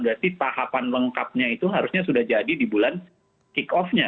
berarti tahapan lengkapnya itu harusnya sudah jadi di bulan kick off nya